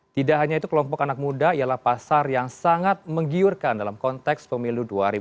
tidak hanya itu kelompok anak muda ialah pasar yang sangat menggiurkan dalam konteks pemilu dua ribu dua puluh